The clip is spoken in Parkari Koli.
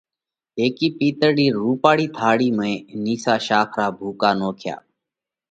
هيڪِي پِيتۯ رِي رُوپاۯِي ٿاۯِي ۾ نِيسا شاک را ڀُوڪا نوکيا